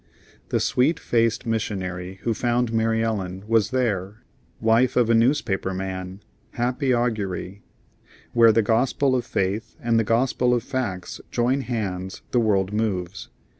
The sweet faced missionary who found Mary Ellen was there, wife of a newspaper man happy augury; where the gospel of faith and the gospel of facts join hands the world moves.